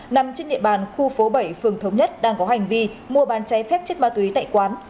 nằm trên địa bàn khu phố bảy phường thống nhất đang có hành vi mua bán cháy phép chất ma túy tại quán